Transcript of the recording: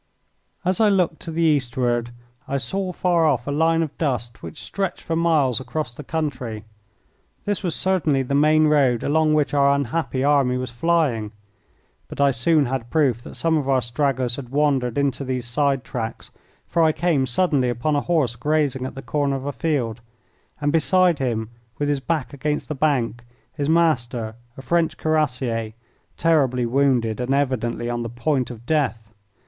As I looked to the eastward I saw afar off a line of dust which stretched for miles across the country. This was certainly the main road along which our unhappy army was flying. But I soon had proof that some of our stragglers had wandered into these side tracks, for I came suddenly upon a horse grazing at the corner of a field, and beside him, with his back against the bank, his master, a French Cuirassier, terribly wounded and evidently on the point of death.